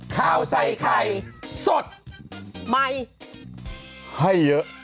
ข้าวใส่ไข่สดใหม่ให้เยอะ